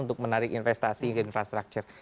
untuk menarik investasi hingga infrastructure